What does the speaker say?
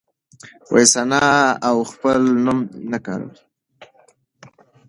ثنا اوس خپل نوم نه کاروي.